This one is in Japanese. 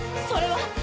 それは。